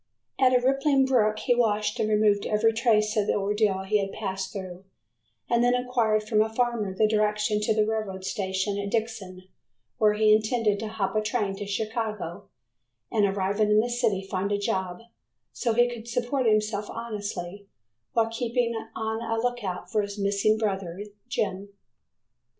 At a rippling brook he washed and removed every trace of the ordeal he had passed through, and then inquired from a farmer the direction to the railroad station at Dixon, where he intended to hop a train to Chicago and, arriving in the city, find a job so he could support himself honestly, while keeping on a lookout for his missing brother Jim.